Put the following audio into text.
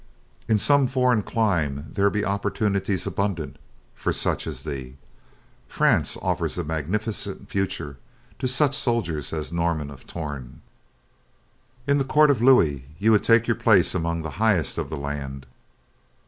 "In some foreign clime there be opportunities abundant for such as thee. France offers a magnificent future to such a soldier as Norman of Torn. In the court of Louis, you would take your place among the highest of the land.